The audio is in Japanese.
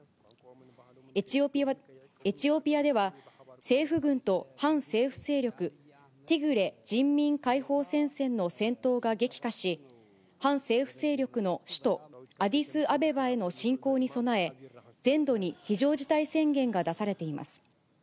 エチオピアでは、政府軍と反政府勢力ティグレ人民解放戦線の戦闘が激化し、反政府勢力の首都アディスアベバへの進攻に備え、全土に非常事態宣言が出されています。